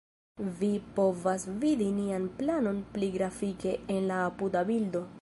Vi povas vidi nian planon pli grafike en la apuda bildo.